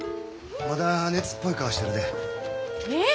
まだ熱っぽい顔してるね。